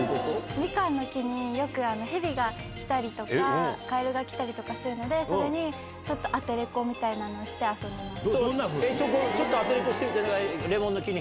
みかんの木によく、ヘビが来たりとか、カエルが来たりとかするので、それにちょっとアテレコみたいなのをして遊んでます。